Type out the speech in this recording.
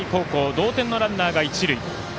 同点のランナーが一塁。